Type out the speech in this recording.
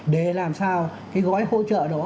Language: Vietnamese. để làm sao gói hỗ trợ đó